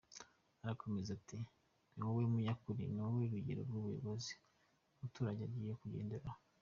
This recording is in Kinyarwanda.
Arakomeza ati: “Ni wowe munyakuri, ni wowe rugero nk’umuyobozi umuturage agiye kugenderaho.